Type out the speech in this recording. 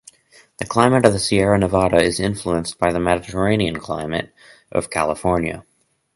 The climate of the Sierra Nevada is influenced by the Mediterranean climate of California.